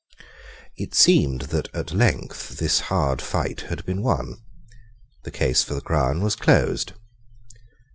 It seemed that at length this hard fight had been won. The case for the crown was closed.